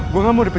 jangan pake pos